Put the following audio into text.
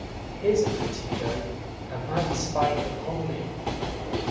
here's a pretty go! A man spying upon me!"